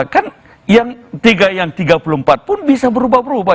kan yang tiga puluh empat pun bisa berubah berubah